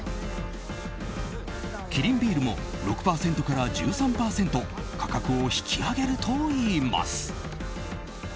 キリンビールも６％から１３％価格を引き上げるといいます。